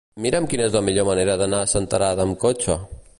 Mira'm quina és la millor manera d'anar a Senterada amb cotxe.